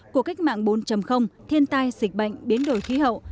của cách mạng bốn thiên tai dịch bệnh biến đổi khí hậu